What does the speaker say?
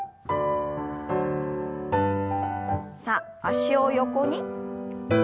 さあ脚を横に。